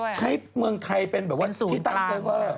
ใช้เมืองไทยเป็นแบบว่าเป็นศูนย์กลาง